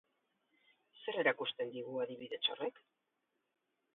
Zer erakusten digu adibidetxo horrek?